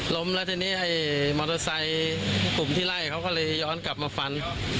ล้มแล้วทีนี้ไอ้มอเตอร์ไซค์กลุ่มที่ไล่เขาก็เลยย้อนกลับมาฟัน